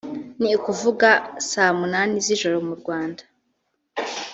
ni ukuvuga saa munani z’ijoro mu Rwanda